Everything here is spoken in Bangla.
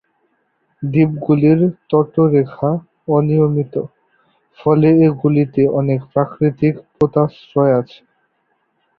দ্বীপগুলির তটরেখা অনিয়মিত, ফলে এগুলিতে অনেক প্রাকৃতিক পোতাশ্রয় আছে।